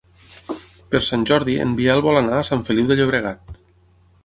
Per Sant Jordi en Biel vol anar a Sant Feliu de Llobregat.